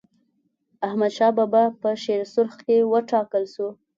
احمدشاه بابا په شیرسرخ کي و ټاکل سو.